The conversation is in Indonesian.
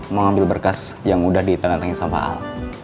mau ambil berkas yang udah ditandatangani sama pak al